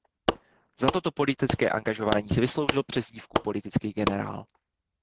Za toto politické angažování si vysloužil přezdívku "politický generál".